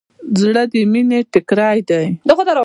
زړه د مینې ټیکری دی.